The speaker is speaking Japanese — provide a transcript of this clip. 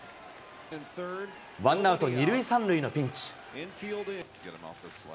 ワンアウト２塁３塁のピンチ。